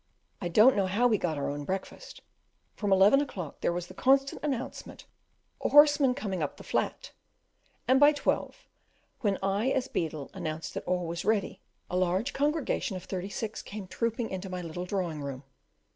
I don't know how we got our own breakfast; from eleven o'clock there was the constant announcement "A horseman coming up the flat;" and by twelve, when I as beadle announced that all was ready, a large congregation of thirty six came trooping into my little drawing room.